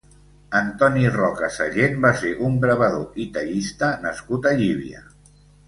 Antoni Roca Sallent va ser un gravador i tallista nascut a Llívia.